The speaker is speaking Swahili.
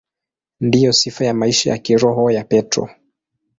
Ndiyo sifa ya maisha ya kiroho ya Petro.